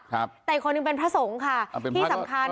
แต่อีกคนหนึ่งเป็นพระสงฆ์ค่ะที่สำคัญ